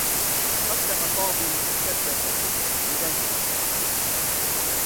قدّم فاضل مسدّسا لدانيا.